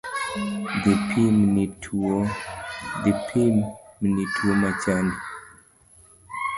Dhi pimni tuo machandi